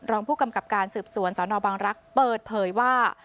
รองผู้กำกับการสืบสวนสนบังรักษ์เปิดเผยว่า